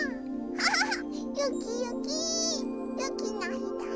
キャハハハ！